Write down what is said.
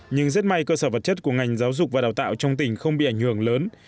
nhưng rất may cơ sở vật chất của ngành giáo dục và đào tạo trong tỉnh không bị ảnh hưởng lớn